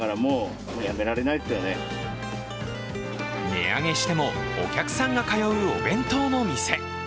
値上げしても、お客さんが通うお弁当の店。